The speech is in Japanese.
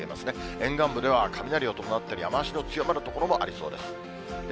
沿岸部では雷を伴って、雨足の強まる所もありそうです。